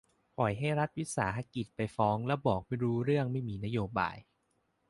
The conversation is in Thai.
ปล่อยให้รัฐวิสาหกิจไปฟ้อง แล้วบอกว่าไม่รู้เรื่อง ไม่มีนโยบาย